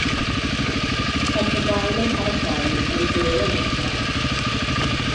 Caiff y dail eu paratoi yn de yng Nghorea.